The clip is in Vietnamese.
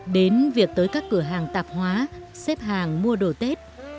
đến việc tới các cửa hàng tạp hóa xếp hàng mua đồ tết